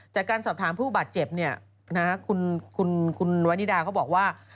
จากการสอบถามผู้บาดเจ็บคุณวันนิดาเขาบอกว่า